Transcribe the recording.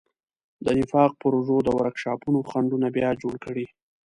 د نفاق پروژو د ورکشاپونو خنډونه بیا جوړ کړي.